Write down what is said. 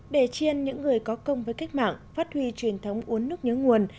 để chiên những người có công với cách mạng phát huy truyền thống uống nước nhớ nguồn